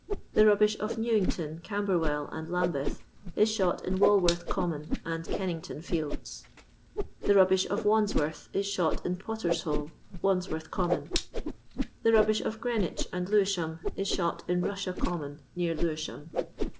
The rubbish of Newington, Camberwell, and Lambeth, is shot in Walworth common and Kennington fields. The rubbish of Wandsworth is shot in Pottert hole, Wandsworth common. The rubbish of Greenwich and Lewisham is shot in Russia common, near Lewisham.